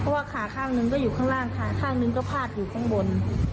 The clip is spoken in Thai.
เพราะว่าขาข้างหนึ่งก็อยู่ข้างล่างขาข้างหนึ่งก็พาดอยู่ข้างบน